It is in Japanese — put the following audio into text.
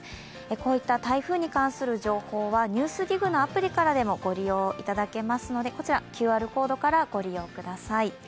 こういった台風に関する情報は「ＮＥＷＳＤＩＧ」のアプリからでもご利用いただけますので、こちらＱＲコードからご利用ください。